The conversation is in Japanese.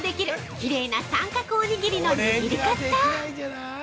きれいな三角おにぎりの握り方！